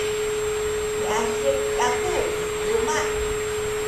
miasik kaku i luma’.